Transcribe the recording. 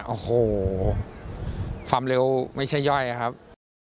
โอ้โหความเร็วไม่ใช่ย่อยครับ